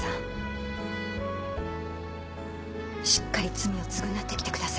しっかり罪を償ってきてください。